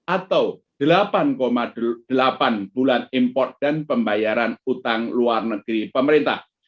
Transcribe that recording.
atau delapan delapan bulan import dan pembayaran utang luar negeri pemerintah